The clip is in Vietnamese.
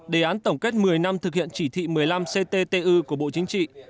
đề án tổng kết một mươi năm thực hiện chỉ thị một mươi năm cttu của bộ chính trị